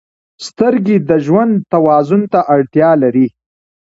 • سترګې د ژوند توازن ته اړتیا لري.